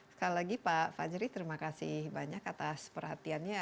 sekali lagi pak fajri terima kasih banyak atas perhatiannya